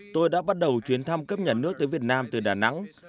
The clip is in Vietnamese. tôi đã bắt đầu chuyến thăm cấp nhà nước tới việt nam từ đà nẵng